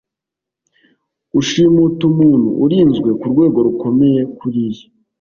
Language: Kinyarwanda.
ushimuta umuntu urinzwe ku rwego rukomeye kuriya